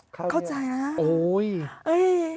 เข้าใจนะ